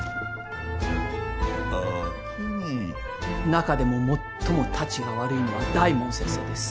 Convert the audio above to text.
中でも最もタチが悪いのは大門先生です。